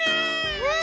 うん。